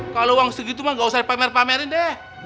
kalau uang segitu mah gak usah dipamer pamerin deh